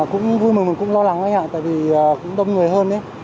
cũng vui mình mình cũng lo lắng đấy hả tại vì cũng đông người hơn ấy